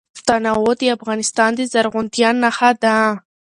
تنوع د افغانستان د زرغونتیا نښه ده.